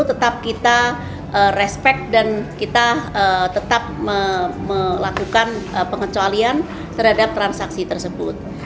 tetap kita respect dan kita tetap melakukan pengecualian terhadap transaksi tersebut